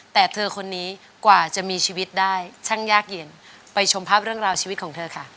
แต่เธอคนนี้กว่าจะมีชีวิตได้ช่างยากเย็นไปชมภาพเรื่องราวชีวิตของเธอค่ะ